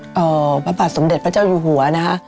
ที่ถวายเงินประบาทสมเด็จพระเจ้าอยู่หัว